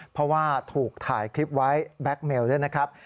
เพราะว่าถูกถ่ายคลิปไว้แบ็คเมลด้วยนะครับ